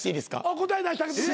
答え出してあげてくれ。